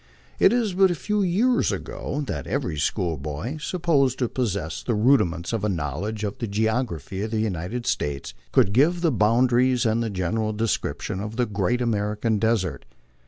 It is but a few years ago that every schoolboy, supposed to possess the rudi ments of a knowledge of the geography of the United States, could give the boundaries and a general description of the " Great American Desert."